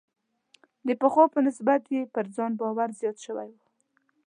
د پخوا په نسبت یې پر ځان باور زیات شوی و.